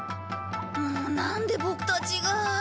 もうなんでボクたちが。